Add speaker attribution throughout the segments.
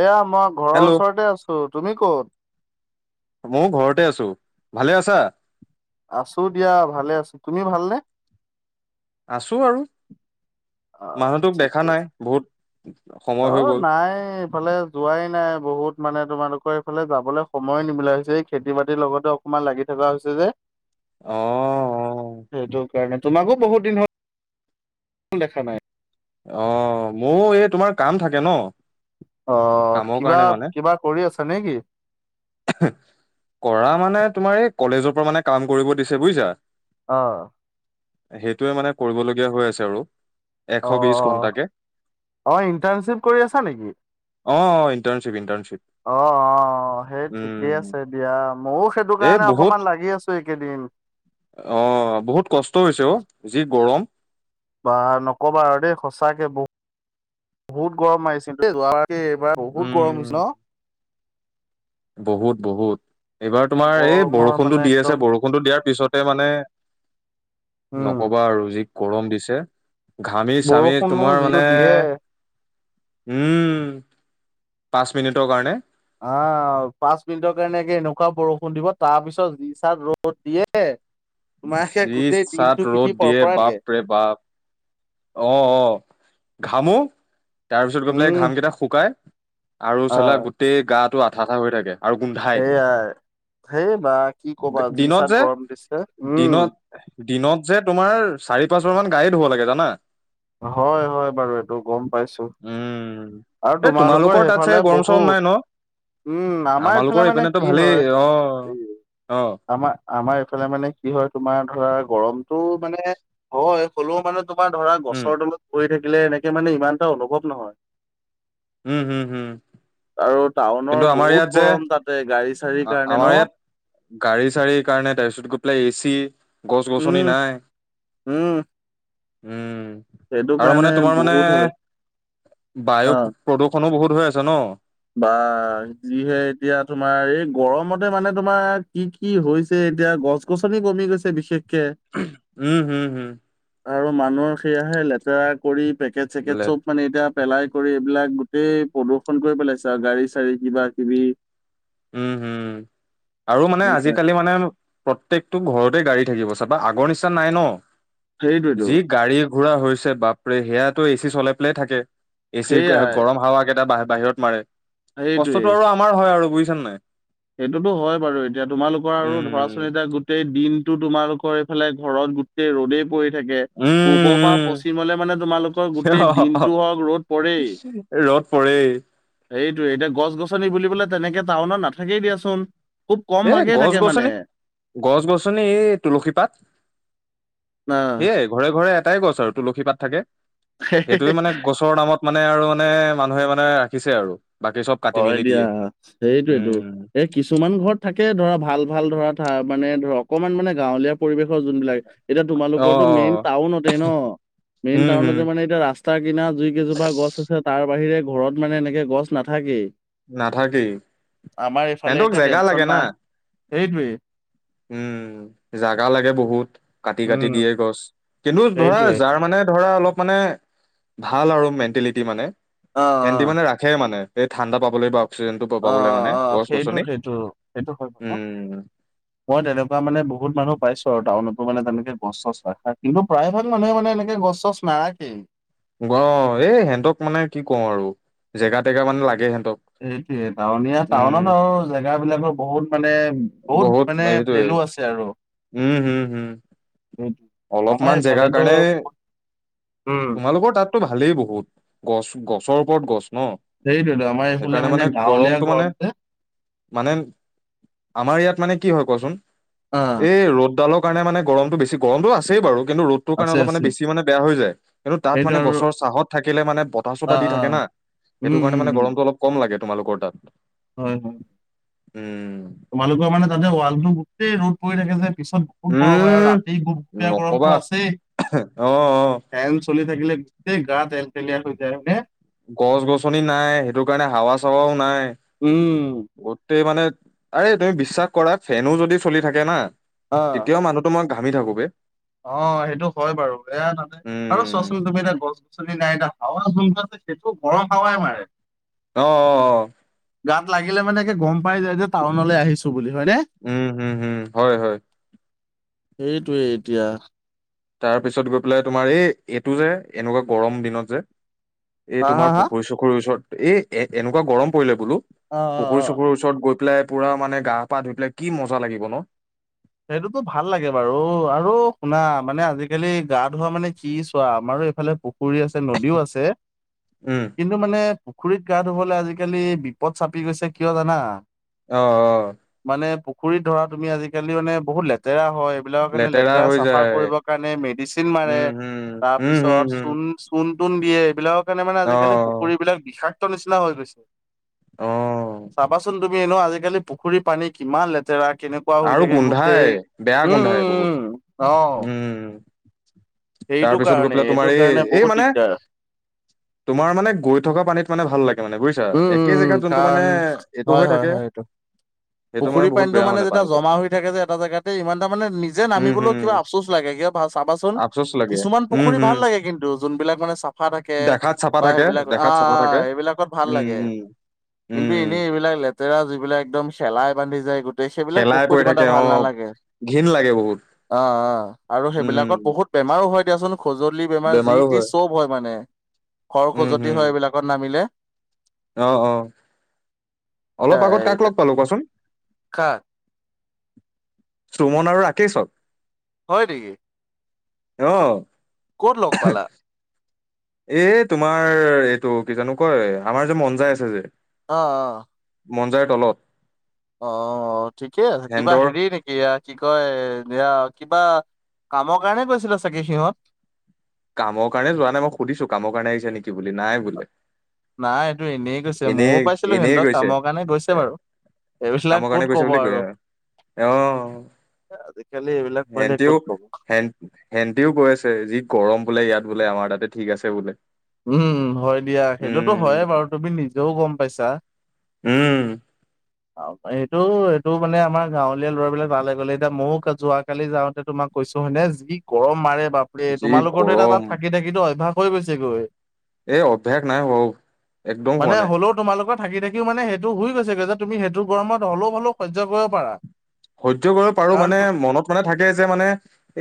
Speaker 1: এয়া মই ঘৰৰ
Speaker 2: হেল্ল'
Speaker 1: ওচৰতে আছো তুমি কত?
Speaker 2: ময়ো ঘৰতে আছো। ভালে আছা?
Speaker 1: আছো দিয়া ভালে আছো তুমি ভালনে?
Speaker 2: আছো আৰু
Speaker 1: অ
Speaker 2: মানুহটোক দেখা
Speaker 1: ঠিকে
Speaker 2: নাই
Speaker 1: আছে।
Speaker 2: বহুত সময়
Speaker 1: অ
Speaker 2: হৈ গ'ল
Speaker 1: নাই এইফালে যোৱাই নাই বহুত মানে তোমালোক ফালে যাবলৈ সময় নিমিলা হৈছে এই খেতি বাতিৰ লগতে অকমান লাগি থকা হৈছে যে।
Speaker 2: অ
Speaker 1: সেইটো কাৰণে তোমাকো বহুত দিন হল কোন দেখা নাই-
Speaker 2: অ মোৰো এই তোমাৰ কাম থাকে ন
Speaker 1: অ
Speaker 2: কামৰ
Speaker 1: কিবা
Speaker 2: কাৰণে মানে
Speaker 1: কিবা কৰি আছা নে কি?
Speaker 2: কৰা মানে তোমাৰ এই কলেজৰ পৰা মানে কাম কৰিব দিছে বুইছা।
Speaker 1: অহ।
Speaker 2: সেইটোৱে মানে কৰিবলগীয়া হৈ আছে আৰু এশ
Speaker 1: অ
Speaker 2: বিশ ঘন্টাকে
Speaker 1: অ ইণ্টাৰ্ণশ্বিপ কৰি আছা নেকি?
Speaker 2: অ ইণ্টাৰ্নশ্বিপ ইণ্টাৰ্নশ্বিপ
Speaker 1: অ অ সেই ঠিকেই আছে দিয়া ময়ো সেইটো
Speaker 2: এই
Speaker 1: কাৰণে
Speaker 2: বহুত
Speaker 1: অকমান লাগি আছো এইকেইদিন
Speaker 2: অ বহুত কষ্ট হৈছে অ যি গৰম
Speaker 1: বা নকবা আৰু দেই সঁচাকে বহুত বহুত গৰম মাৰিছে ত এইবাৰ বহুত গৰম
Speaker 2: উম
Speaker 1: হৈছে ন
Speaker 2: বহুত বহুত এইবাৰ তোমাৰ এই
Speaker 1: গৰমৰ
Speaker 2: বৰষুণটো
Speaker 1: মানে
Speaker 2: দি
Speaker 1: একদম
Speaker 2: আছে বৰষুণটো দিয়াৰ পিছত ত মানে
Speaker 1: উম,
Speaker 2: নকবা আৰু যি গৰম দিছে। ঘামি চামি
Speaker 1: বৰষুণো
Speaker 2: তোমাৰ
Speaker 1: যিটো
Speaker 2: মানে
Speaker 1: দিয়ে
Speaker 2: উম পাঁচ মিনিটৰ কাৰণে
Speaker 1: আহ পাঁচ মিনিটৰ কাৰণে এনেকুৱা বৰষুণ দিব তাৰ পিছত যি চাত ৰ'দ দিয়ে। তোমোকে
Speaker 2: যি
Speaker 1: গোটেই
Speaker 2: চাত
Speaker 1: দিনটো
Speaker 2: ৰ'দ
Speaker 1: পিঠি
Speaker 2: দিয়ে
Speaker 1: পৰপৰাই থাকে।
Speaker 2: বাপ ৰে বাপ অ অ ঘামো তাৰপিছত গৈ পেলাই
Speaker 1: উম,
Speaker 2: ঘাম কেইটা শুকাই আৰু চালা
Speaker 1: আহ
Speaker 2: গোটেই গাটো আঠা আঠা হৈ থাকে আৰু গোন্ধাই।
Speaker 1: সেইয়াই সেই বা কি ক'বা যি
Speaker 2: দিনত
Speaker 1: চাত
Speaker 2: যে
Speaker 1: গৰম দিছে।
Speaker 2: দিনত
Speaker 1: উম,
Speaker 2: দিনত যে তোমাৰ চাৰি পাঁচ বাৰ মান গাই ধুব লাগে জানা।
Speaker 1: হয় হয় বাৰু এইটো গম পাইছোঁ।
Speaker 2: উম
Speaker 1: আৰু
Speaker 2: এ
Speaker 1: তোমালোকৰ
Speaker 2: তাত
Speaker 1: সেইফালে
Speaker 2: চাগে গৰম চৰম নাই ন
Speaker 1: বহুত। উম আমাৰ
Speaker 2: আমালোকৰ
Speaker 1: এইফালে মানে
Speaker 2: এইপিনেতো
Speaker 1: কি
Speaker 2: ভালেই
Speaker 1: হয়
Speaker 2: অ অ
Speaker 1: আমাৰ আমাৰ এইফালে মানে কি হয় তোমাৰ ধৰা গ- গৰমতটো মানে হয় হ'লেও মানে তোমাৰ ধৰা
Speaker 2: উম
Speaker 1: গছৰ তলত পৰি থাকি- কিলে এনেকে মানে ইমান এটা অনুভৱ নহয়।
Speaker 2: উম হম হম হম
Speaker 1: আৰু
Speaker 2: কিন্তু
Speaker 1: টাউনৰ
Speaker 2: আমাৰ
Speaker 1: বহুত
Speaker 2: ইয়াত যে
Speaker 1: গৰম তাতে গাড়ী চাড়ী কাৰণে
Speaker 2: আমাৰ
Speaker 1: ন
Speaker 2: ইয়াত গাড়ী চাড়ীৰ কাৰণে তাৰপিছত গৈ পেলাই এ চি গছ গছনি
Speaker 1: উম
Speaker 2: নাই।
Speaker 1: উম
Speaker 2: উম
Speaker 1: সেইটো
Speaker 2: আৰু
Speaker 1: কাৰণে
Speaker 2: মানে তোমাৰ মানে
Speaker 1: বহুত হয়
Speaker 2: বায়ু
Speaker 1: অ
Speaker 2: প্ৰদূষণো বহুত হৈ আছে ন
Speaker 1: বা যিহে এতিয়া তোমাৰ এই গৰমতে মানে তোমাৰ কি কি হৈছে এতিয়া গছ গছনি কমি গৈছে বিশেষ
Speaker 2: হম হম হম
Speaker 1: আৰু মানুহ সেয়াহে লেতেৰা কৰি পেকেট চেকেট
Speaker 2: লেট
Speaker 1: চব মানে এতিয়া পেলাই কৰি এইবিলাক গোটেই প্ৰদূষণ কৰি পেলাইছে আৰু গাড়ী চাড়ী কিবা কিবি
Speaker 2: উম হম আৰু মানে
Speaker 1: সেইকাৰণে
Speaker 2: আজিকালি মানে প্ৰত্যেকটো ঘৰত গাড়ী থাকিব চাবা আগৰ নিচিনা নাই ন
Speaker 1: সেইটোৱেতো
Speaker 2: যি গাড়ী ঘোৰা হৈছে বাপৰে সেয়াতো এ চি চলাই পেলাই থাকে। এ চিৰ
Speaker 1: সেইয়াই
Speaker 2: গৰম হাৱা কেইটা বা বাহিৰত মাৰে।
Speaker 1: সেইটোৱে
Speaker 2: কষ্টটো আৰু আমাৰ হয় আৰু বুজিছানে নাই।
Speaker 1: সেইটোতো হয় বাৰু এতিয়া তোমালোকৰ আৰু ধৰা
Speaker 2: উম
Speaker 1: চোন এটা গোটেই দিনটো তোমালোকৰ এইফালে ঘৰত গোটেই ৰ'দেই পৰি- থাকে
Speaker 2: উম
Speaker 1: পূ্বৰ পৰা
Speaker 2: উম
Speaker 1: পশ্চিমলে মানে তোমালোকৰ গোটেই দিনটো হওক ৰ'দ পৰেই।
Speaker 2: ৰ'দ পৰে।
Speaker 1: সেইটোৱেই এতিয়া গছ গছনি বুলিবলে তেনেকে টাউনত নাথাকেই দিয়াচোন। খুব কম
Speaker 2: এ
Speaker 1: ভাগেই
Speaker 2: গছ
Speaker 1: থাকে মানে
Speaker 2: গছনি গছ গছনি এই তুলসী পাত
Speaker 1: অ
Speaker 2: সেয়াই ঘৰে ঘৰে এটাই গছ আৰু তুলসী পাত থাকে সেইটোৱে মানে গছৰ নামত মানে আৰু মানে মানুহে মানে ৰাখিছে আৰু বাকী চব কাটি
Speaker 1: হয়
Speaker 2: মেলি
Speaker 1: দিয়া
Speaker 2: দিয়ে
Speaker 1: সেইটোৱেতো
Speaker 2: উম
Speaker 1: এই কিছুমান ঘৰত থাক- কে ধৰা ভাল ভাল ধৰা মানে ধৰা অকমান মানে গাঁৱলীয়া পৰিৱেশ। যোনবিলাক এতিয়া
Speaker 2: অ অ
Speaker 1: তোমালোকৰটো মেইন টাউনতে ন। মেইন
Speaker 2: উম হম
Speaker 1: টাউনতে মানে এতিয়া ৰাস্তা কিনা জুই কেইজোপা গছ আছে তাৰ বাহিৰে ঘৰত মানে এনেকে গছ নাথাকেই
Speaker 2: নাথাকেই
Speaker 1: আমাৰ ইফালে
Speaker 2: সিহঁতক
Speaker 1: এতিয়া
Speaker 2: জেগা
Speaker 1: টেনচন
Speaker 2: লাগে না
Speaker 1: নাই সেইটোৱেই
Speaker 2: উম জাগা লাগে বহুত কাটি কাটি
Speaker 1: উম
Speaker 2: দিয়ে গছ কিন্তু ধৰা
Speaker 1: সেইটোৱে
Speaker 2: যাৰ মানে ধৰা অলপ মানে ভাল আৰু মেণ্টেলিটি মানে
Speaker 1: অ
Speaker 2: হেতি মানে
Speaker 1: অ
Speaker 2: ৰাখে মানে এই ঠাণ্ডা পাবলৈ ব
Speaker 1: অ অ সেইটো সেইটো সেইটো হয় বাৰু
Speaker 2: উম
Speaker 1: মই তেনেকুৱা বহু মানুহ পাইছো আৰু টাউনটো মানে গছ চছ ৰখাৰ কিন্তু প্ৰায় ভাগ মানুহে মানে এনেকে গছ চছ নাৰাখেই
Speaker 2: অ এই সিহঁতক মানে কি কওঁ আৰু জেগা টেগা মানে লাগে হেত
Speaker 1: সেইটোয়ে টাউনীয়া টাউনত আৰু জেগা বিলাকৰ বহুত মানে বহুত মানে ভেলু আছে আৰু
Speaker 2: উম, হম, হম,
Speaker 1: সেইটো আমাৰ
Speaker 2: অলপমান
Speaker 1: এই
Speaker 2: জেগাৰ
Speaker 1: চাইডটো
Speaker 2: কাৰণে
Speaker 1: বহুত উম
Speaker 2: তোমালোকৰ তাততো ভালেই বহুত গছ গছৰ ওপৰত গছ ন
Speaker 1: সেইটোৱেতো আমাৰ এইফালে
Speaker 2: সেইকাৰণে মানে
Speaker 1: গাঁৱলীয়া
Speaker 2: গৰমটো মানে
Speaker 1: ঘৰত যে
Speaker 2: মানে আমাৰ ইয়াত মানে কি হয় কোৱাচোন
Speaker 1: অ
Speaker 2: এই ৰ'দডালৰ কাৰণে মানে গৰমটো বেছি গৰমটো আছেই বাৰু। কিন্তু ৰ'দটোৰ কাৰণে
Speaker 1: আছে
Speaker 2: অলপ মানে
Speaker 1: আছে
Speaker 2: বেছি মানে বেয়া হৈ যায় কিন্তু তাত
Speaker 1: সেইটো
Speaker 2: মানে
Speaker 1: আৰু
Speaker 2: গছৰ চাহত থাকিলে মানে বতাহ
Speaker 1: অ
Speaker 2: চতাহ দি
Speaker 1: অ
Speaker 2: থাকে না। সেইটো
Speaker 1: উম
Speaker 2: কাৰণে
Speaker 1: উম
Speaker 2: মানে
Speaker 1: উম
Speaker 2: গৰমটো অলপ কম লাগে তোমালোকৰ তাত
Speaker 1: হয় হয়
Speaker 2: উম
Speaker 1: তোমালোকৰ মানে তাতে ৱালটো গোটেই ৰ'দ পৰি থাকে যে পিছত বহুত গৰম হয় আৰু
Speaker 2: উম,
Speaker 1: ৰাতি গুপপীয়া গৰমটো
Speaker 2: নকবা
Speaker 1: আছেই
Speaker 2: অ', অ'।
Speaker 1: ফেনচ চলি থাকিলে গোটেই গা তেল তেলিয়া হৈ যায় হয় নে
Speaker 2: গছ গছনি নাই সেইটো কাৰণে হাৱা চাৱাও নাই
Speaker 1: উম
Speaker 2: ত মানে আৰে তুমি বিশ্বাস কৰা ফেনো যদি চলি থাকে না
Speaker 1: অ
Speaker 2: তেতিয়াও মানুহটো মই ঘামি থাকোঁ বে
Speaker 1: অ সেইটো হয় বাৰু এয়া তাতে আৰু
Speaker 2: উম
Speaker 1: চোৱাচোন তুমি এতিয়া গছ গছনি নাই এতিয়া হাৱা চোন সেইটো গৰম হাৱাই মাৰে
Speaker 2: অ অ অ
Speaker 1: গাত লাগিলে মানে গম পাই যায় যে টাউনলৈ আহিছো বুলি হয়নে
Speaker 2: উম উম হয় হয়
Speaker 1: সেইটোৱেই এতিয়া
Speaker 2: তাৰপিছত গৈ পেলাই তোমাৰ এই এইটো যে এনেকুৱা গৰম দিনত যে এ
Speaker 1: হা হা
Speaker 2: তোমাৰ
Speaker 1: হা
Speaker 2: পুখুৰী চুখুৰীৰ ওচৰত এ এ এনেকুৱা গৰম পৰিলে বোলো
Speaker 1: অ অ অ
Speaker 2: পুখুৰী চুখুৰৰ ওচৰত গৈ পেলাই পুৰা মানে গা পা ধুই পেলাই কি মজা লাগিব ন
Speaker 1: সেইটোতো ভাল লাগে বাৰু আৰু শুনা মানে আজিকালি গা ধোৱা মানে কি চোৱা আমাৰ এইফালে পুখুৰী আছে নদীও আছে
Speaker 2: উম
Speaker 1: কিন্তু মানে পুখুৰীত গা ধুবলৈ আজিকালি বিপদ চাপি গৈছে কিয় জানা
Speaker 2: অ অ
Speaker 1: মানে পুখুৰীত ধৰা তুমি আজিকালি মানে বহুত লেতেৰা হয় বিলাকৰ কাৰে লেতেৰা
Speaker 2: হৈ
Speaker 1: চাফা
Speaker 2: যায়
Speaker 1: কৰিব কাৰণে মেডিচিন মাৰে
Speaker 2: উম হম উম হম
Speaker 1: তাৰপিছত
Speaker 2: হম
Speaker 1: চুণ চুণ ন দিয়ে এইবিলাকৰ কাৰণে মানে আজিকালি পুখুৰী
Speaker 2: অ
Speaker 1: বিলাক বিষাক্ত নিচিনা হৈ গৈছে
Speaker 2: অ
Speaker 1: চাবাচোন তুমি এনও আজিকালি পুখুৰী পানী কিমান লেতেৰা কেনেকুৱা হৈ
Speaker 2: আৰু
Speaker 1: থাকে গোটেই
Speaker 2: গোন্ধাই বেয়া
Speaker 1: উম
Speaker 2: গোন্ধায়
Speaker 1: উম
Speaker 2: বহুত
Speaker 1: উম অ
Speaker 2: উম
Speaker 1: সেইটো
Speaker 2: তাৰপিছত গৈ
Speaker 1: কাৰণে
Speaker 2: পেলাই
Speaker 1: এইটো
Speaker 2: তোমাৰ এই
Speaker 1: কাৰণে
Speaker 2: এই
Speaker 1: বহুত
Speaker 2: মানে
Speaker 1: দিগদাৰ
Speaker 2: তোমাৰ মানে গৈ থকা পানীত। মানে ভাল লাগে মানে বুজিছা
Speaker 1: উম
Speaker 2: একে
Speaker 1: উম উম
Speaker 2: জেগাত যোনটো মানে
Speaker 1: কাৰণ
Speaker 2: এইটো
Speaker 1: হয়
Speaker 2: হৈ
Speaker 1: হয়
Speaker 2: থাকে
Speaker 1: হয় এইটো।
Speaker 2: সেইটো মানে
Speaker 1: পুখুৰী
Speaker 2: বহুত
Speaker 1: পানীতটো
Speaker 2: বেয়া
Speaker 1: মানে যেতিয়া
Speaker 2: পানীটো
Speaker 1: জমা হৈ থাকে যে এটা জেগাতে ইমান এটা মানে নিজে
Speaker 2: উম
Speaker 1: নামিবলৈও
Speaker 2: হম
Speaker 1: কিবা আফচোচ লাগে কিয়। ভাল চাবাচোন।
Speaker 2: আফচোচ লাগে
Speaker 1: কিছুমান
Speaker 2: উম
Speaker 1: পুখুৰী
Speaker 2: হম
Speaker 1: ভাল লাগে কিন্তু যোনবিলাক মানে চাফা থাকে
Speaker 2: দেখাত চাফা
Speaker 1: বা
Speaker 2: থাকে
Speaker 1: সেইবিলাক অ অ
Speaker 2: দেখাত চাফা থাকে
Speaker 1: এইবিলাকত ভাল
Speaker 2: উম
Speaker 1: লাগে
Speaker 2: উম
Speaker 1: কিন্তু
Speaker 2: উম
Speaker 1: এনেই এইবিলাক লেতেৰা যিবিলাক একদম চেলাই বান্ধি যায় গোটেই সেইবিলাক
Speaker 2: শেলাই
Speaker 1: পুখুৰীত
Speaker 2: পৰি
Speaker 1: ইমান এটা
Speaker 2: থাকে অ
Speaker 1: ভাল নালাগে।
Speaker 2: ঘিণ লাগে বহুত
Speaker 1: অ অ আৰু
Speaker 2: উম
Speaker 1: সেইবিলাকত বহুত বেমাৰো হয় দিয়াচোনো। খজুলি বেমাৰ যি টি চব হয় মানে খৰ
Speaker 2: উম
Speaker 1: খজুৱতি
Speaker 2: হম
Speaker 1: হয় এইবিলাকত নামিলে।
Speaker 2: অ অ অলপ আগত কাক লগ পালো কোৱাচোন। সুমন আৰু ৰাকেশক
Speaker 1: হয় নেকি?
Speaker 2: আহ
Speaker 1: কত লগ পালা
Speaker 2: এ তোমাৰ এইটো কি জানো কয় আমাৰ যে মন যাই আছে যে
Speaker 1: অ অ
Speaker 2: মনজাৰ তলত
Speaker 1: অ ঠিকে আছে কিবা
Speaker 2: হেন্দৰ
Speaker 1: হেৰি নেকি কি কয় এতিয়া কিবা কামৰ কাৰণে কৈছিলে চাগে সিহঁত।
Speaker 2: কামৰ কাৰণে যোৱা নাই মই সুধিছো কামৰ কাৰণে আহিছে নেকি বুলি নাই বোলে।
Speaker 1: নাই এইটো এনেই গৈছে
Speaker 2: এনেই
Speaker 1: ময়ো পাইছিলো সিহঁতক কামৰ কাৰণে গৈছে বাৰু।
Speaker 2: কাম
Speaker 1: এইবিলাক ক'ত
Speaker 2: কাৰণে কৰিছে
Speaker 1: ক'ব
Speaker 2: বুলি ক
Speaker 1: আৰু
Speaker 2: অ
Speaker 1: আজিকালি এইবিলাক পোৱালিয়ে ক'ত ক'ব
Speaker 2: হেটিওে হেণ্টিও গৈ আছে যি গৰম বোলে ইয়াত বোলে আমাৰ তাতে ঠিক আছে বোলে।
Speaker 1: উম হয় দিয়া সেইটোতো হয়ে বাৰু
Speaker 2: উম
Speaker 1: তুমি নিজেও গম পাইছা।
Speaker 2: উম
Speaker 1: এইটো এইটো মানে আমাৰ গাঁৱলীয়া লৰাবিলাক ভালে গ'ললে এতিয়া ময় যোৱাকালি যাওঁতে তোমাৰ কৈছো হয়নে যি গৰম মাৰে বাপৰে
Speaker 2: যি
Speaker 1: তোমালোকৰ তো এটা
Speaker 2: গৰম
Speaker 1: তাত থাকি থাকিটো অভ্যাস হৈ গৈছেগৈ।
Speaker 2: এ অভ্যাস নাই হৌ একদম হোৱা
Speaker 1: মানে
Speaker 2: নাই
Speaker 1: হ'লেও তোমালোকৰ থাকি থাকিও মানে সেইটো হৈই গৈছেগৈ যে তুমি সেইটো গৰমত হলেও হলেও শৈৰ্য কৰিব পাৰা
Speaker 2: হজ্য কৰিব পাৰো
Speaker 1: কাৰণ
Speaker 2: মানে
Speaker 1: তো
Speaker 2: মনত শৈৰ্য কৰিব পাৰো মানেমনত থাকে যে মানে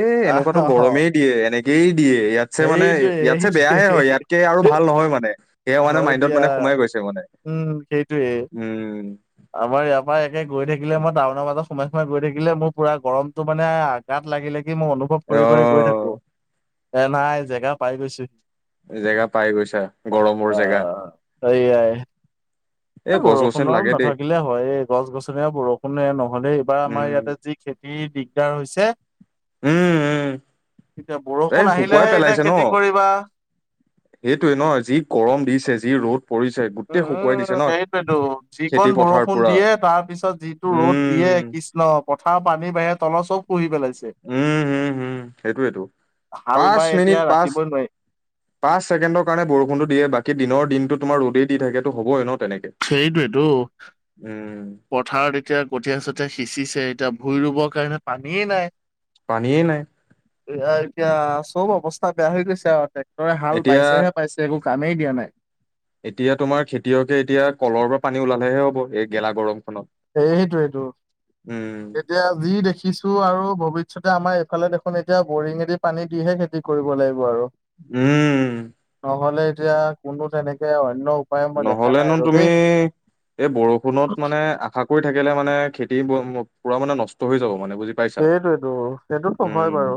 Speaker 2: এ এনেকুৱাতো
Speaker 1: আহ
Speaker 2: গৰমেই দিয়ে এনেকে। দিয়ে ইয়াতছে মানে
Speaker 1: সেইটোৱে
Speaker 2: ইয়াতছে বেয়াহে
Speaker 1: সেইটোৱে।
Speaker 2: হয় ইয়াতকে আৰু ভাল নহয় মানে সেয়া মানে
Speaker 1: হয়
Speaker 2: মাইণ্ডত
Speaker 1: দিয়া
Speaker 2: মানে সোমাই গৈছে মানে
Speaker 1: উম সেইটোয়ে।
Speaker 2: উম
Speaker 1: আমাৰ ইয়াৰ পৰা একে গৈ থাকিলে মই টাউনৰ ব সোমাই সোমাই গৈ থাকিলে মোৰ পুৰা গৰমতটো মানে আঘাত লাগিল লাগি। মই অনুভৱ কৰি কৰি গৈ
Speaker 2: আহ
Speaker 1: থাকো এ নাই জেগা পাই গৈছোহি।
Speaker 2: জেগা পাই গৈছা গৰমৰ জেগা
Speaker 1: সেইযাই এই
Speaker 2: গছ গছনি
Speaker 1: বৰষুণৰ
Speaker 2: লাগে দেই
Speaker 1: নাথাকিলে হয় এই গছ গছনিয় বৰষুণে নহলে এইবাৰ আমাৰ
Speaker 2: উম
Speaker 1: ইয়াতে যি খেতি দিগদাৰ হৈছে।
Speaker 2: উম উম
Speaker 1: এতিয়া
Speaker 2: এই
Speaker 1: বৰষুণ আহিলেহে এতিয়া খেতি কৰিবা।
Speaker 2: সেইটোয়ে নহ যি গৰম দিছে যি ৰ'দ পৰিছে
Speaker 1: উ
Speaker 2: গোটেই শুকুৱাই দিছে ন
Speaker 1: সেইটোতো
Speaker 2: খেতি
Speaker 1: যিকণ
Speaker 2: পথাৰ
Speaker 1: বৰষুণ
Speaker 2: পুৰা
Speaker 1: দিয়ে তাৰ পিছত যিটো ৰ'দ দিয়ে।
Speaker 2: উম
Speaker 1: কৃষ্ণ পথাৰ পানী বাহৰে তলৰ চব। আছে
Speaker 2: উম সেইটোৱেতটো পাঁচ
Speaker 1: এতিয়া
Speaker 2: মিনিট পাঁচ।
Speaker 1: ৰাখিবই নোৱাৰি।
Speaker 2: পাঁচ ছেকেণ্ডৰ কাৰণে বৰষুণো দিয়ে বাকী দিনৰ দিনটো তোমাৰ ৰ'দেই দি থাকেতো হ'বই ন তেনেকে
Speaker 1: সেইটোৱেইটো
Speaker 2: উম
Speaker 1: পথাৰত এতিয়া গঠীয়া চঠীয়া সিঁচিছে। এতিয়া ভূই ৰুবৰ কাৰণে পানীয়েই নাই।
Speaker 2: পানী নাই
Speaker 1: এ এতিয়া চব অৱস্থা বেয়া হৈ গৈছে আৰু ট্ৰেক্টৰে হাল
Speaker 2: এতিয়া
Speaker 1: বাইছেহে পাইছে একো কামেই দিয়া নাই।
Speaker 2: এতিয়া তোমাৰ খেতিয়কে এতিয়া কলৰ পৰা পানী ওলালেহে হ'ব। এই গেলা গৰম
Speaker 1: এইটোইটো
Speaker 2: উম
Speaker 1: এতিয়া যি দেখিছো আৰু ভৱিষ এতিয়া আমাৰ এইফালে দেখোন এতিয়া বৰিঙেদি পানী দিহে খেতি কৰিব লাগিব আৰু।
Speaker 2: উম।
Speaker 1: নহ'লে এতিয়া কোনো তেনেকে অন্য উপায় মই দেখা নাই
Speaker 2: নহ'লেনো
Speaker 1: আৰু
Speaker 2: তুমি
Speaker 1: দেই।
Speaker 2: এই বৰষুণত মানে আশা কৰি থাকিলে মানে খেতি পূৰা মানে নষ্ট হৈ যাব। মানে বুজি পাইছা
Speaker 1: সেইটোৱেইটো সেইটো হয়
Speaker 2: উম
Speaker 1: বাৰু,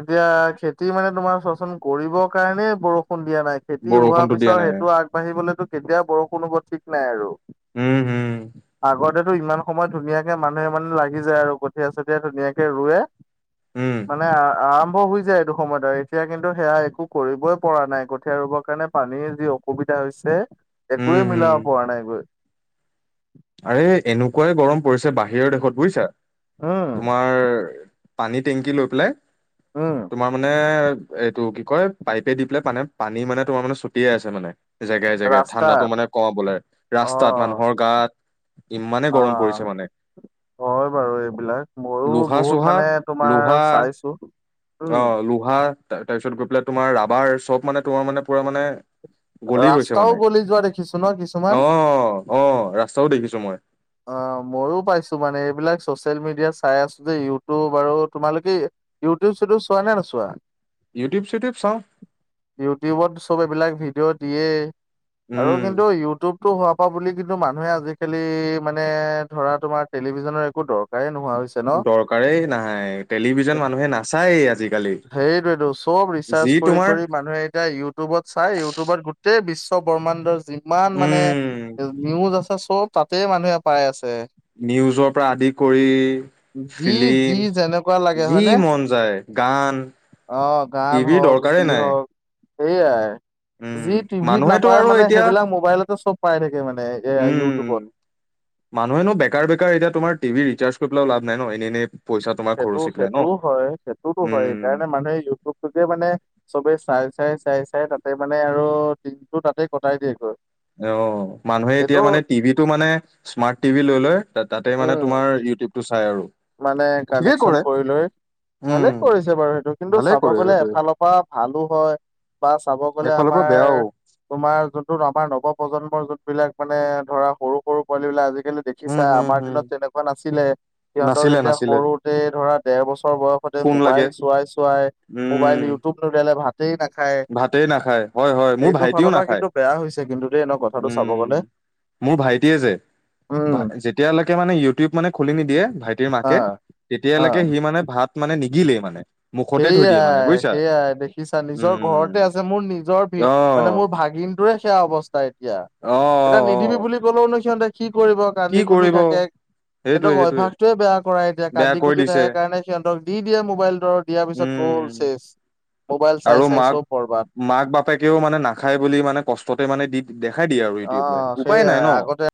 Speaker 1: এতিয়া খেতি মানে তোমাৰ কৰিবৰ কাৰণে বৰ খুন্দিয়া নাই খেতি হোৱাৰ
Speaker 2: বৰষুণটো দিয়া
Speaker 1: পিছত
Speaker 2: নাই
Speaker 1: সেইটো আগবাঢ়িবলেতো কেতিয়া বৰষুণ হ'ব ঠিক নাই আৰু।
Speaker 2: উম হম
Speaker 1: আগত এতিয়া ইমান সময় ধুনীয়াকে মানুহে মানে লাগি যায় আৰু কঠীয়া চঠিয়া ধুনীয়াকে ৰুৱে।
Speaker 2: উম
Speaker 1: মানে আ আম হৈ যায় এইটো সময়ত আৰু এতিয়া কিন্তু সেয়া একো কৰিবই পৰা নাই কঠীয়া ৰুবৰ কাৰণে পানীৰ যি অসুবিধা। হৈছে একোৱে
Speaker 2: উম হম
Speaker 1: মিলাব পৰা নাই গৈ।
Speaker 2: আৰে এনেকুৱাই গৰম পৰিছে বাহিৰৰ দেশত বুইছা!
Speaker 1: উম
Speaker 2: তোমাৰ পানী টেংকি লৈ পেলাই
Speaker 1: উম
Speaker 2: তোমাৰ মানে এইটো কি কয় পাইপে দি পেলাই পানে পানী মানে তোমাৰ মানে ছটিয়াই আছে মানে। জেগাই জেগাই
Speaker 1: ৰাস্তাত
Speaker 2: ঠাণ্ডাতো মানে কওঁ বোলে ৰাস্তাত
Speaker 1: অ'।
Speaker 2: মানুহৰ গাত ইমানে
Speaker 1: অ
Speaker 2: গৰম পৰিছে মানে।
Speaker 1: হয় বাৰু এইবিলাক মইও
Speaker 2: লোহা
Speaker 1: বহুত
Speaker 2: চোহা
Speaker 1: মানে
Speaker 2: লোহা
Speaker 1: তোমাৰ চাইছো। উম
Speaker 2: অ' লোহা তাৰপিছত গৈ পেলাই তোমাৰ ৰাবাৰ চব মানে তোমাৰ মানে পুৰা মানে গলি গৈছে
Speaker 1: ৰাস্তাও
Speaker 2: মানে
Speaker 1: গলি যোৱা দেখিছো ন কিছুমান
Speaker 2: অ' আহ ৰাস্তাও দেখিছো মই।
Speaker 1: অ' ময়ো পাইছো মানে এইবিলাক চচিয়েল মিডিয়াত চাই আছো যে ইউটিউব আৰু তোমালোকে ইউটিউব চুটিউব চোৱা নে নোচোৱা?
Speaker 2: ইউটিউব চিউটিউব চাওঁ
Speaker 1: ইউটিউবত চব এইবিলাক ভিডিঅ' দিয়ে। আৰু
Speaker 2: উম
Speaker 1: কিন্তু ইউটিউবতটো হোৱাৰ পৰা বুলি কিন্তু মানুহে আজিকালি মানে ধৰা তোমাৰ টেলিভিছনৰ একো দৰকাৰ
Speaker 2: দৰকাৰেই নাই। টেলিভিছন মানুহে নাচায়েই আজিকালি।
Speaker 1: সেইটোৱেটো চব
Speaker 2: যি
Speaker 1: ৰিচাৰ্চ
Speaker 2: তোমাৰ
Speaker 1: কৰি মানুহে এতিয়া ইউটিউবত চাই, ইউটিউবত গোটেই বিশ্ব বিশ ব্ৰহ্মাণ্ডৰ যিমান মানে
Speaker 2: উম
Speaker 1: নিউজ আছে চব তাতেই মানুহে পাই আছে।
Speaker 2: নিউজৰ পৰা আদি কৰি
Speaker 1: যি যি যেনেকুৱা লাগে
Speaker 2: ফিলি্ম যি
Speaker 1: হয়নে?
Speaker 2: মন যায় গান
Speaker 1: অ' গান
Speaker 2: টিভিৰ
Speaker 1: হওক
Speaker 2: দৰকাৰেই
Speaker 1: যি
Speaker 2: নাই
Speaker 1: হওক সেইয়াই।
Speaker 2: উম
Speaker 1: যি টিভিত
Speaker 2: মানুহেতো
Speaker 1: নাপায়
Speaker 2: আৰু
Speaker 1: মানে
Speaker 2: এতিয়া
Speaker 1: সেইবিলাক মোবাইলতে চব পাই থাকে মানে এ
Speaker 2: উম
Speaker 1: ইউটিউবত।
Speaker 2: মানুহেনো বেকাৰ বেকাৰ এতিয়া তোমাৰ টিভি ৰিচাৰ্ কৰি পেলাও লাভ ন এনেই এনেই। পইচা তোমাৰ
Speaker 1: সেইটো
Speaker 2: খৰচি পেলাই ন
Speaker 1: সেইটোও হয়। সেইটোতো হয়
Speaker 2: উম
Speaker 1: সেইকাৰণে মানুহে ইউটিউবটোকে মানে চবে চাই চাই চাই চাই তাতে মানে আৰু দিনটো তাতে কটাই দিয়েগৈ।
Speaker 2: অ' মানুহে
Speaker 1: এইটো
Speaker 2: এতিয়া মানে টিভিটো মানে স্মাৰ্ট টিভি লৈ লয় তাতে মানে
Speaker 1: উম
Speaker 2: তোমাৰ ইউটিউব টো চাই আৰু।
Speaker 1: মানে
Speaker 2: ঠিকেই
Speaker 1: কানেকচন
Speaker 2: কৰে
Speaker 1: কৰি লৈ
Speaker 2: উম
Speaker 1: ভালেই কৰিছে বাৰু সেইটো কিন্তু
Speaker 2: ভালে
Speaker 1: চাব
Speaker 2: কৰে
Speaker 1: গলে
Speaker 2: সেইটোৱে
Speaker 1: এফালৰ পৰা ভালো হয়। বা চাব গ'লে
Speaker 2: একফালৰ পৰা বেয়াও
Speaker 1: আমাৰ তোমাৰ যোনটো আমাৰ নৱ প্ৰ্জন্মৰ জুনবিলাক মানে ধৰা সৰু সৰু পোৱালী বিলাক আজি দেখিছা
Speaker 2: উম হম
Speaker 1: আমাৰ
Speaker 2: হম
Speaker 1: দিনত তেনেকুৱা নাছিলে। সিহঁতক
Speaker 2: নাছিলে
Speaker 1: এতিয়া
Speaker 2: নাছিলে
Speaker 1: সৰুতে ধৰা দেৰ বছৰ ছৰ বয়সতে
Speaker 2: ফোন লাগে
Speaker 1: মোবাইল চোৱাই চোৱাই মোবাইল
Speaker 2: উম
Speaker 1: ইউটিউব নোলিয়ালে ভাত টেই নাখায়।
Speaker 2: ভাতেই নাখায় হয় হয় মোৰ
Speaker 1: সেইটো
Speaker 2: ভাইটিও
Speaker 1: ফালৰ পৰা
Speaker 2: নাখায়
Speaker 1: কিন্তু বেয়া হৈছে কিন্তু দেই এনে কথাটো
Speaker 2: উম
Speaker 1: চাব গ'লে।
Speaker 2: মোৰ ভাইটিয়ে যে
Speaker 1: উম
Speaker 2: যেতিয়ালৈকে মানে ইউটিউব মানে খুলি নিদিয়ে, ভাইটি ৰ
Speaker 1: হা
Speaker 2: মাকে
Speaker 1: হা
Speaker 2: তেতিয়ালৈকে সি মানে ভাত মানে নিগিলেই মানে। মুখতে থৈ দিয়ে মানে
Speaker 1: সেইয়াই
Speaker 2: বুজিছা
Speaker 1: সেইয়াই দেখিছা নি নিজৰ
Speaker 2: উম
Speaker 1: ঘৰতে আছে মোৰ নিজৰ ভ
Speaker 2: আহ
Speaker 1: মানে মোৰ ভাগিনটোৰে সেয়া অৱস্থা এতিয়া।
Speaker 2: অ
Speaker 1: এটা
Speaker 2: অ অ
Speaker 1: নিদিবি বুলি ক'লেও। কি কৰিব
Speaker 2: কি
Speaker 1: কান্দি কুদি
Speaker 2: কৰিব
Speaker 1: থাকে।
Speaker 2: সেইটোৱে
Speaker 1: সিহঁক
Speaker 2: সেইটোৱে
Speaker 1: অভ্যাসটোৱে বেয়া কৰা এতিয়া
Speaker 2: বেয়া
Speaker 1: কান্দি
Speaker 2: কৈ
Speaker 1: কুন্দি
Speaker 2: দিছে
Speaker 1: থাকে কাৰণে সিহঁতক দি দিয়ে মোবাইল দৰত। তাৰ পিছত গ'ল
Speaker 2: উম
Speaker 1: শেষ
Speaker 2: আৰু মাক মাক বাপেকেও মানে নাখায় বুলি মানে কষ্টতে মানে দি দেখ খাই দিয়ে আৰু ইউটিউব
Speaker 1: অ'
Speaker 2: উপায় নাই
Speaker 1: সেইয়াই
Speaker 2: ন।
Speaker 1: আগতে